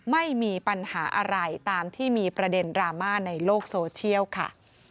ไม่มีปัญหาอะไรตามที่มีประเด็นดราม่าในโลกโซเชียลค่ะ